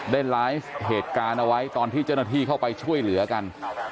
ได้ไลฟ์เหตุการณ์เอาไว้ตอนที่เจ้าหน้าที่เข้าไปช่วยเหลือกัน